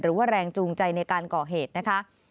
หรือว่าแรงจูงใจในการก่อเหตุนะคะ